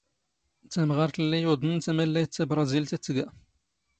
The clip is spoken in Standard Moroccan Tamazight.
ⵜⴰⵎⵖⴰⵔⵜ ⵍⵍⵉ ⵢⵓⴹⵏⵏ ⵜⴰⵎⴰⵍⵍⴰⵢⵜ ⵜⴰⴱⵕⴰⵣⵉⵍⵜ ⴰⴷ ⵜⴳⴰ.